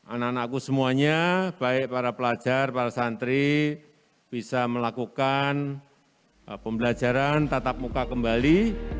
anak anakku semuanya baik para pelajar para santri bisa melakukan pembelajaran tatap muka kembali